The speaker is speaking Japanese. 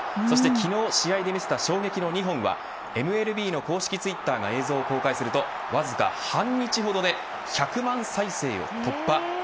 昨日試合で見せた衝撃の２本はＭＬＢの公式ツイッターが映像を公開するとわずか半日ほどで１００万再生を突破。